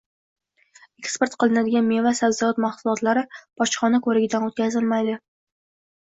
eksport qilinadigan meva-sabzavot mahsulotlari bojxona ko‘rigidan o‘tkazilmaydi.